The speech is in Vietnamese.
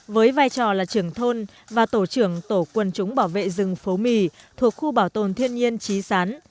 với vai trò là trưởng thôn và tổ trưởng tổ quân chúng bảo vệ rừng phố mì thuộc khu bảo tồn thiên nhiên trí sán